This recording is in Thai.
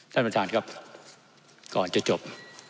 ท่านประธานครับก่อนจะจบ